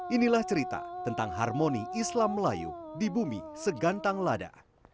inilah cerita tentang harmoni islam melayu di bumi segantang lada